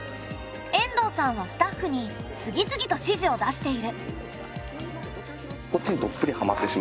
遠藤さんはスタッフに次々と指示を出している。